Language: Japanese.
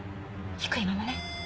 低いままね。